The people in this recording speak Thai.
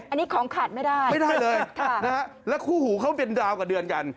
อันนี้ของขาดไม่ได้ไม่ได้เลยแล้วคู่หูเขาเป็นดาวกับเดือนกัน